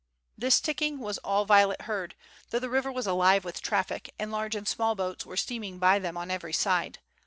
This ticking was all Violet heard, though the river was alive with traffic and large and small boats were steaming by them on every side.